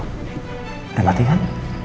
udah mati kan